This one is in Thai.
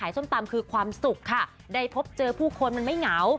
ส้มตำคือความสุขค่ะได้พบเจอผู้คนมันไม่เหงา